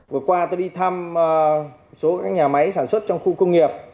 vừa qua tôi đi thăm số các nhà máy sản xuất trong khu công nghiệp